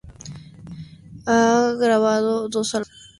Ha grabado dos álbumes.